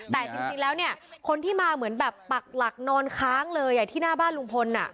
แต่จริงแล้วเนี่ยคนที่มาเหมือนแบบปักหลักนอนค้างเลยที่หน้าบ้านลุงพล